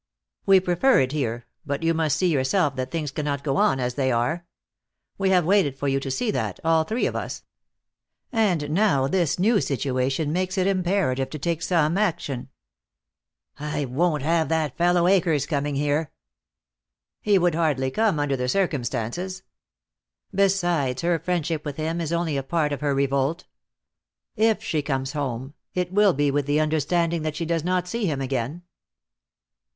"We prefer it here, but you must see yourself that things cannot go on as they are. We have waited for you to see that, all three of us, and now this new situation makes it imperative to take some action." "I won't have that fellow Akers coming here." "He would hardly come, under the circumstances. Besides, her friendship with him is only a part of her revolt. If she comes home it will be with the understanding that she does not see him again."